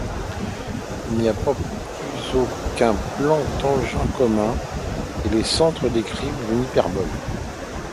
Il n'y a plus aucun plan tangent commun, et les centres décrivent une hyperbole.